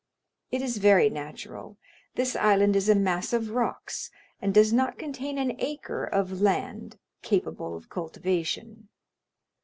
"It is very natural; this island is a mass of rocks, and does not contain an acre of land capable of cultivation."